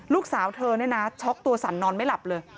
ลูกสาวเธอเนี่ยนะช็อกตัวสั่นนอนไม่หลับเลย